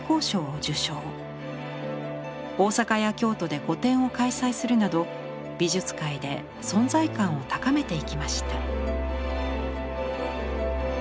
大阪や京都で個展を開催するなど美術界で存在感を高めていきました。